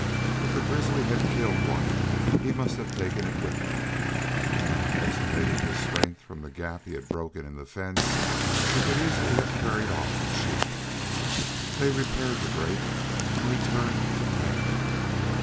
If the grizzly had killed one he must have taken it with him; and estimating his strength from the gap he had broken in the fence, he could easily have carried off a sheep. They repaired the break and returned to camp.